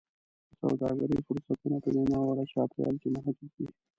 د سوداګرۍ فرصتونه په دې ناوړه چاپېریال کې محدود دي.